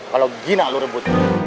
kalau gina lo rebut